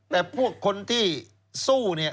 แต่พวกคนที่สู้เนี่ย